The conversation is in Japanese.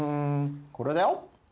これだよ。